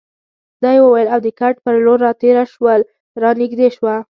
دا یې وویل او د کټ په لور راتېره شول، را نږدې شوه.